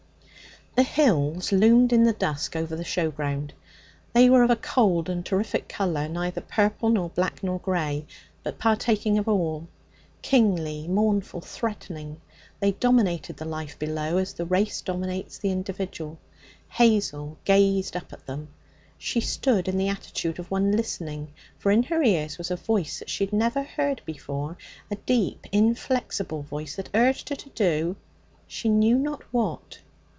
The hills loomed in the dusk over the show ground. They were of a cold and terrific colour, neither purple nor black nor grey, but partaking of all. Kingly, mournful, threatening, they dominated the life below as the race dominates the individual. Hazel gazed up at them. She stood in the attitude of one listening, for in her ears was a voice that she had never heard before, a deep inflexible voice that urged her to do she knew not what.